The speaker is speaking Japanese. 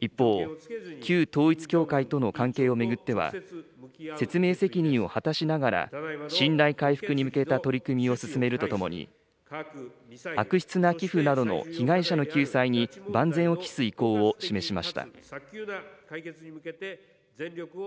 一方、旧統一教会との関係を巡っては説明責任を果たしながら、信頼回復に向けた取り組みを進めるとともに、悪質な寄付などの被害者の救済に万全を期す意向を示しました。